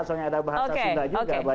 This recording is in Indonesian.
misalnya ada bahasa sunda juga